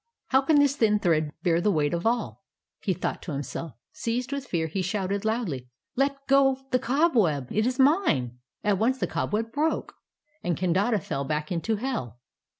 'How can this thin thread bear the weight of all?' he thought to himself; and seized with fear he shouted loudly: 'Let go the cobweb. It is mine!' "At once the cobweb broke, and Kandata fell back into hell.